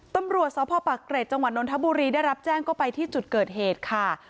ตำรวจสพปักเกร็จจังหวัดนทบุรีได้รับแจ้งก็ไปที่จุดเกิดเหตุค่ะ